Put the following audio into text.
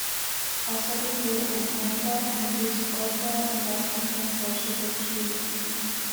Außerdem wurden ein Tanker, ein Hilfskreuzer und weitere Transportschiffe beschädigt.